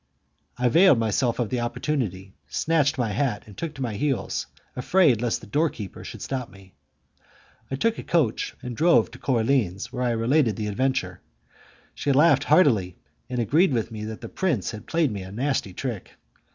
I availed myself of the opportunity, snatched my hat, and took to my heels, afraid lest the door keeper should stop me. I took a coach and drove to Coraline's, where I related the adventure. She laughed heartily, and agreed with me that the prince had played me a nasty trick.